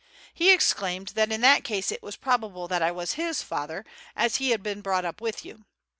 He exclaimed, that in that case it was probable that I was his father, as he had been brought up with you.